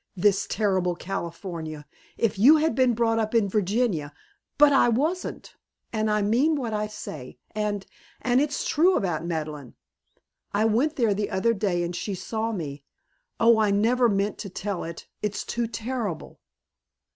"This terrible California! If you had been brought up in Virginia " "But I wasn't. And I mean what I say. And and it's true about Madeleine. I went there the other day and she saw me and oh, I never meant to tell it it's too terrible!"